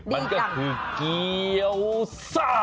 มันก็คือเกี้ยวซ่า